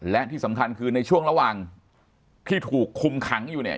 และที่สำคัญคือในช่วงระหว่างที่ถูกคุมขังอยู่เนี่ย